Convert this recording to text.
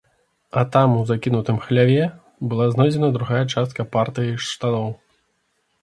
А там, у закінутым хляве, была знойдзена другая частка партыі штаноў.